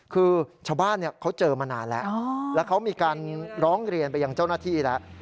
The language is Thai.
คือชาวบ้านเขาเจอมานานแล้วแล้วเขามีการร้องเรียนไปยังเจ้าหน้าที่แล้ว